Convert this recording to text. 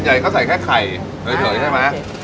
ใหญ่ก็ใส่แค่ไข่เฉยใช่ไหม